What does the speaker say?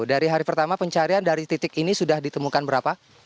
dari hari pertama pencarian dari titik ini sudah ditemukan berapa